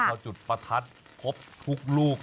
พอจุดประทัดครบทุกลูก